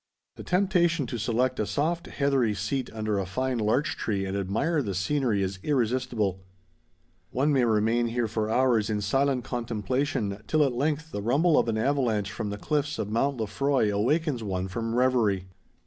The temptation to select a soft heathery seat under a fine larch tree and admire the scenery is irresistible. One may remain here for hours in silent contemplation, till at length the rumble of an avalanche from the cliffs of Mount Lefroy awakens one from reverie.